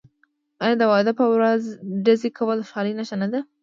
آیا د واده په ورځ ډزې کول د خوشحالۍ نښه نه ده؟